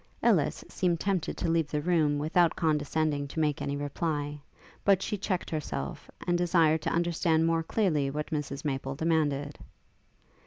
Ellis seemed tempted to leave the room without condescending to make any reply; but she checked herself, and desired to understand more clearly what Mrs Maple demanded.